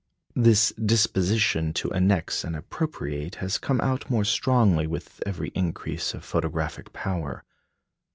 This disposition to annex and appropriate has come out more strongly with every increase of photographic power.